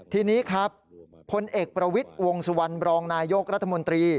ทีนี้ครับพลเอกประวิทย์วงสุวรรณบรองนายกรัฐมนตรี